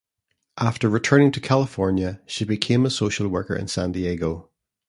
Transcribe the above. After returning to California, she became a social worker in San Diego.